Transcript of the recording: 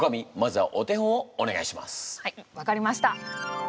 はい分かりました。